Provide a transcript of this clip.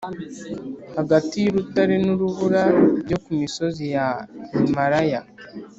hagati y’urutare n’urubura byo ku misozi ya himalaya.